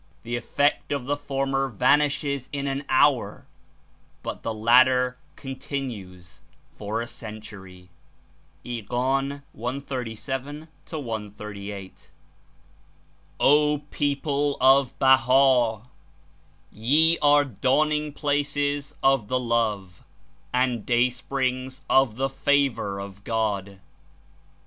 The effect of the former vanishes in an hour, but the latter continues for a century." (Ig. ijj ijS) "O people of Baha' ! Ye are dawning places of the Love and day springs of the Favor of God.